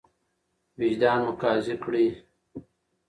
وجدان مو قاضي کړئ.